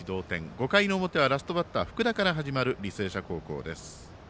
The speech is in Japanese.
５回の表はラストバッター福田から始まる履正社高校です。